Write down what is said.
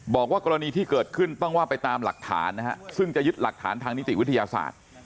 บอกว่ากรณีที่เกิดขึ้นต้องว่าไปตามหลักฐานนะฮะซึ่งจะยึดหลักฐานทางนิติวิทยาศาสตร์